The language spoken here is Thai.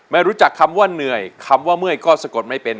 ไม่รู้จักคำว่าเหนื่อยคำว่าเมื่อยก็สะกดไม่เป็น